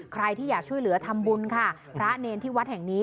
ใครที่อยากช่วยเหลือทำบุญค่ะพระเนรที่วัดแห่งนี้